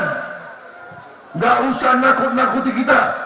tidak usah menakuti kita